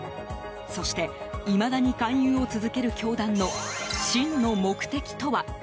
そして、いまだに勧誘を続ける教団の真の目的とは？